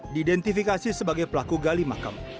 diidentifikasi sebagai pelaku gali makam